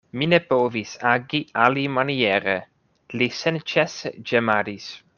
Mi ne povis agi alimaniere, li senĉese ĝemadis.